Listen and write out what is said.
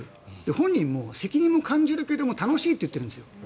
本人も、責任を感じるけど楽しいと言ってるんですよ。